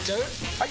・はい！